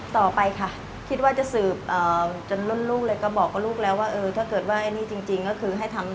ต่อไปค่ะคิดว่าจะสืบจนรุ่นลูกเลยก็บอกกับลูกแล้วว่าเออถ้าเกิดว่าไอ้นี่จริงก็คือให้ทำ